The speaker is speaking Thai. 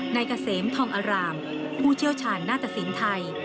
นายกาเสมทองอารามผู้เชี่ยวชาญนาฏศิลป์ไทย